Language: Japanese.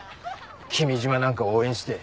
君島なんか応援して。